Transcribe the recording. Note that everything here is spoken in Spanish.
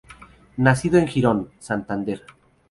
Nacido en Girón, Santander.